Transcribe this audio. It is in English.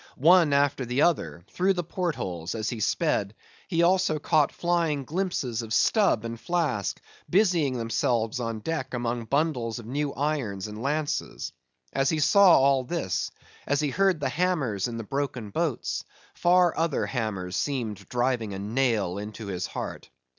One after the other, through the port holes, as he sped, he also caught flying glimpses of Stubb and Flask, busying themselves on deck among bundles of new irons and lances. As he saw all this; as he heard the hammers in the broken boats; far other hammers seemed driving a nail into his heart.